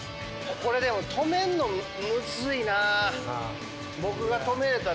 これでも止めんのむずいなぁ。